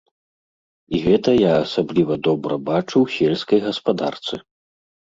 І гэта я асабліва добра бачу ў сельскай гаспадарцы.